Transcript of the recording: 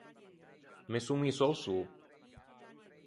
Me son misso a-o sô.